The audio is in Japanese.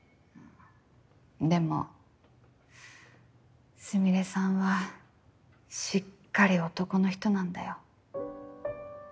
でもスミレさんはしっかり男の人なんだよ。